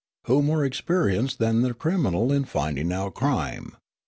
Who more experienced than the criminal in finding out crime